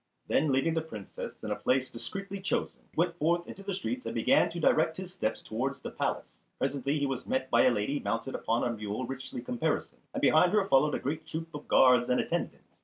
Then leaving the Princess in a place discreetly chosen he went forth into the streets and began to direct his steps towards the palace. Presently he was met by a lady mounted upon a mule richly caparisoned, and behind her followed a great troop of guards and attendants.